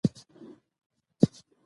افغانستان د نابغه ګانو کور ده